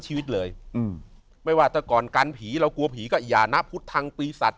ชีวิตเลยอืมไม่ว่าแต่ก่อนกันผีเรากลัวผีก็อย่านะพุทธทางปีศัตว